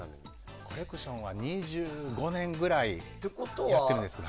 コレクションは２５年ぐらいやってるんですよ。